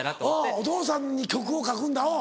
お父さんに曲を書くんだうん。